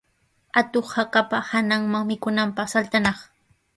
Atuq hakapa hananman mikunanpaq saltanaq.